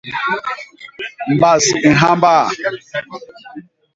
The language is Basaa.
Mbas i nhamba.